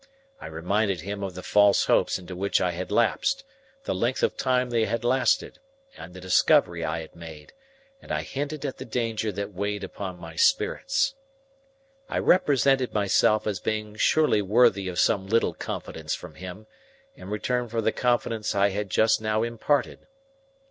I reminded him of the false hopes into which I had lapsed, the length of time they had lasted, and the discovery I had made: and I hinted at the danger that weighed upon my spirits. I represented myself as being surely worthy of some little confidence from him, in return for the confidence I had just now imparted.